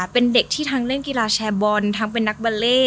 เป็นเด็กที่ทั้งเล่นกีฬาแชร์บอลทั้งเป็นนักบอลเล่